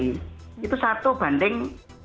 itu satu banding